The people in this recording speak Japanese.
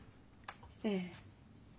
ええ。